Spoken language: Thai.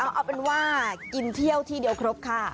เอาเป็นว่ากินเที่ยวที่เดียวครบค่ะ